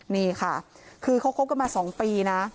นี่ค่ะคือเขาคบกันมา๒ปีนะ